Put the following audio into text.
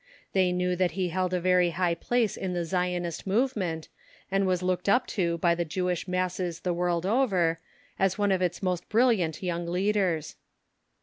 They knew that he held a very high place in the Zionist movement, and was looked up to by the Jewish masses the world over as one of its most brilliant young leaders.